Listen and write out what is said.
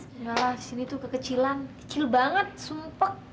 engga lah disini tuh kekecilan kecil banget sumpah